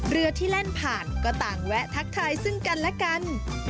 เรือที่แล่นผ่านก็ต่างแวะทักทายซึ่งกันและกัน